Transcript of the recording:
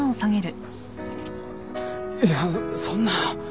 いやそんな。